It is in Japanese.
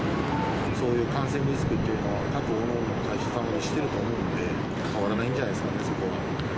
そういう感染リスクっていうのは、各々対策はしてると思うんで、変わらないんじゃないですか